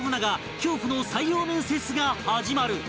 恐怖の採用面接が始まる！